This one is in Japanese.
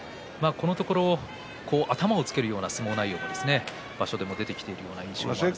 このところ頭をつけるような相撲内容が場所でも出てきているような気がしますが。